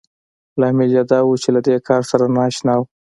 لامل يې دا و چې له دې کار سره نااشنا وو.